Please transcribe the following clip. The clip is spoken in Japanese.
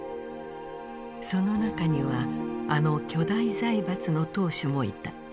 その中にはあの巨大財閥の当主もいた。